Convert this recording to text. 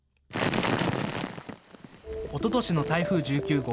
おととしの台風１９号。